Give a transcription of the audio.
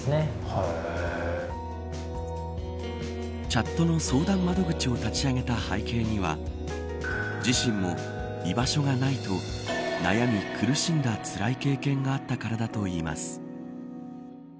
チャットの相談窓口を立ち上げた背景には自身も、居場所がないと悩み苦しんだつらい経験があったからだといいます。